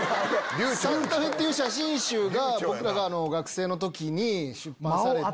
『サンタフェ』っていう写真集が僕ら学生の時に出版されて。